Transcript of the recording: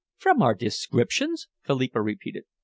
"From our descriptions?" Philippa repeated.